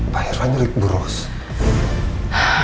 pak irvan culik bu rosa